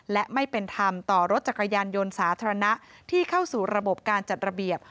และไม่เป็นธรรมต่อรถจักรยานยนต์สาธารณะที่เข้าสู่ระบบการจัดระเบียบ